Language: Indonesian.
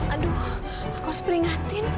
aduh aku harus peringatin